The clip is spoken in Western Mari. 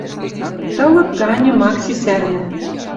Тылык ганьы Макси сӓрнӓ